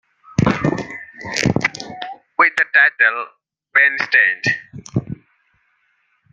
With the title Painstained.